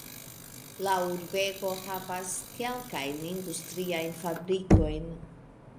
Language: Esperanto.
La urbego havas havas kelkajn industriajn fabrikojn.